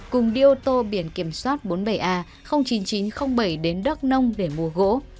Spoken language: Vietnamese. cùng đi ô tô biển kiểm soát bốn mươi bảy a chín trăm linh bảy đến đất nông để mua gỗ